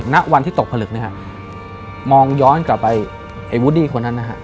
ณวันที่ตกผลึกนะฮะมองย้อนกลับไปไอ้วูดดี้คนนั้นนะฮะ